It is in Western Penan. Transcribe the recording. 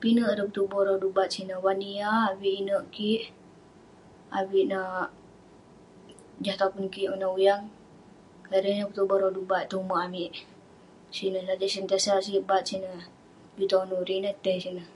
Pinek ireh petuboh rodu bat sineh, wan nia, avik inek kik, avik neh..jah topun kik konak uyang..ireh ineh petuboh rodu bat tong umerk amik, sineh..sik bat, sik juk tonu, ireh ineh tai sineh..